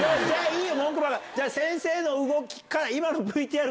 いいよ！